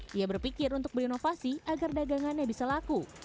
dia berpikir untuk berinovasi agar dagangannya bisa laku